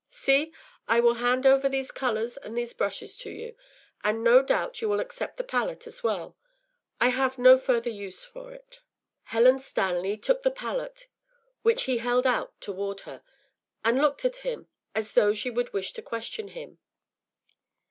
See, I will hand over these colours and these brushes to you, and no doubt you will accept the palette as well. I have no further use for it.” Helen Stanley took the palette which he held out toward her, and looked at him as though she would wish to question him.